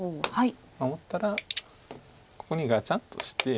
守ったらここにガチャンとして。